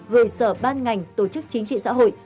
gửi sở ban ngành tổ chức chính trị xã hội